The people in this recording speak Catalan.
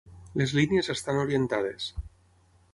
Les línies estan orientades.